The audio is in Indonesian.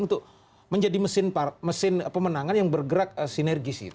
untuk menjadi mesin pemenangan yang bergerak sinergis